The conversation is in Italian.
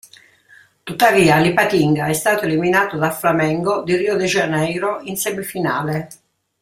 Tuttavia, l'Ipatinga è stato eliminato dal Flamengo, di Rio de Janeiro, in semifinale.